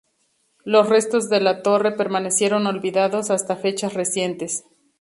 Los restos de la torre permanecieron olvidados hasta fechas recientes.